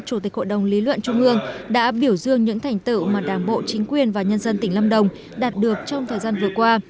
chủ tịch hội đồng lý luận trung ương đã biểu dương những thành tựu mà đảng bộ chính quyền và nhân dân tỉnh lâm đồng đạt được trong thời gian vừa qua